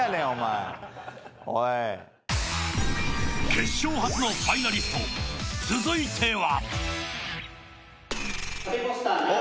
決勝初のファイナリスト続いては。